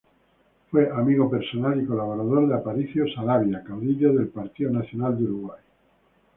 Fue amigo personal y colaborador de Aparicio Saravia, caudillo del Partido Nacional de Uruguay.